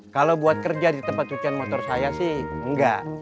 kalau buat kerja di tempat cucian motor saya sih enggak